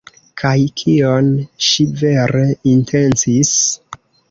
Kaj kion ŝi vere intencis?